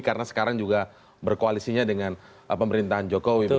karena sekarang juga berkoalisinya dengan pemerintahan jokowi